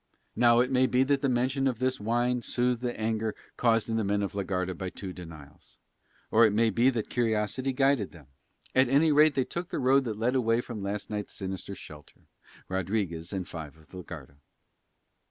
Now it may be that the mention of this wine soothed the anger caused in the men of la Garda by two denials, or it may be that curiosity guided them, at any rate they took the road that led away from last night's sinister shelter, Rodriguez and five of la Garda.